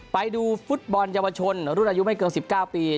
ไปดูฟุตบอลเยาวชนรุ่นอายุไม่เกิน๑๙ปี